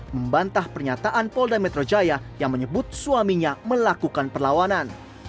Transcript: membantah pernyataan polda metro jaya yang menyebut suaminya melakukan perlawanan